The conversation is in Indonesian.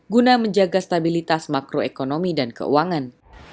guna menjaga stabilitas makroekonomi dan keuangan